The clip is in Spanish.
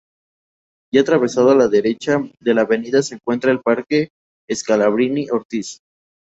Ya atravesado a la derecha de la avenida se encuentra el Parque Scalabrini Ortiz.